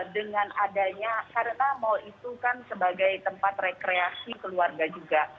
dengan adanya karena mal itu kan sebagai tempat rekreasi keluarga juga